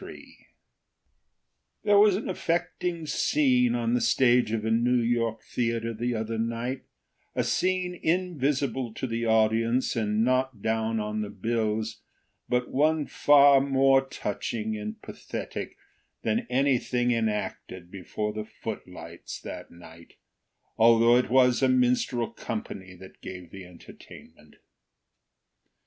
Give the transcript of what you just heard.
FORD There was an affecting scene on the stage of a New York theater the other night—a scene invisible to the audience and not down on the bills, but one far more touching and pathetic than anything enacted before the footlights that night, although it was a minstrel company that gave the entertainment.